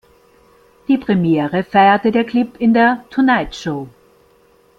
Die Premiere feierte der Clip in der "Tonight Show".